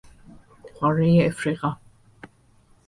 قارهی افریقا